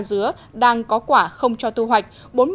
cơ quan chức năng có quả không cho thu hoạch